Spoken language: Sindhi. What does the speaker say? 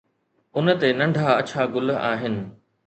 ان تي ننڍا اڇا گل آهن